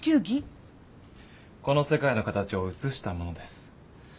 この世界の形を写したものです。